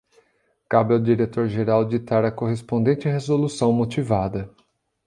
Cabe ao diretor geral ditar a correspondente resolução motivada.